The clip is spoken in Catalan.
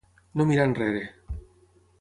No mirar enrere.